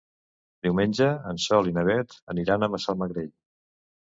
Diumenge en Sol i na Beth aniran a Massamagrell.